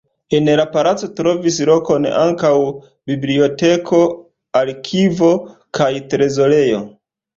En la palaco trovis lokon ankaŭ biblioteko, arkivo kaj trezorejo.